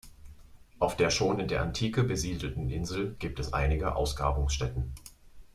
Auf der schon in der Antike besiedelten Insel gibt es einige Ausgrabungsstätten.